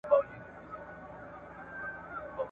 هر شوقي یې د رنګونو خریدار وي !.